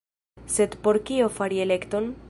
Sed por kio fari elekton?